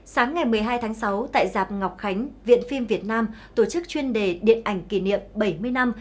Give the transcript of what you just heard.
sáng ngày một mươi hai tháng sáu tại giạp ngọc khánh viện phim việt nam tổ chức chuyên đề điện ảnh kỷ niệm bảy mươi năm